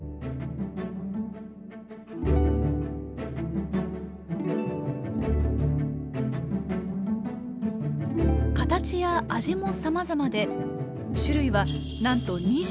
形や味もさまざまで種類はなんと２７種とも。